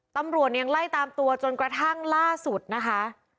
ตำรวจยังไล่ตามตัวจนกระทั่งล่าสุดนะคะ